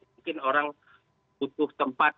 mungkin orang butuh tempat